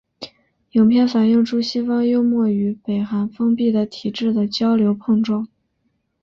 影片反映出西方幽默与北韩封闭的体制的交流碰撞。